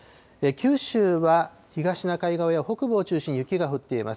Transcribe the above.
九州は東シナ海側や北部を中心に雪が降っています。